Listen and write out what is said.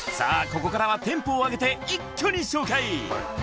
ここからはテンポを上げて一挙に紹介